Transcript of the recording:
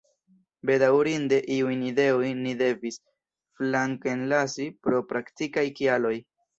Bedaŭrinde iujn ideojn ni devis flankenlasi pro praktikaj kialoj.